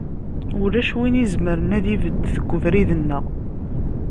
Ulac win izemren ad ibedd deg ubrid-nneɣ.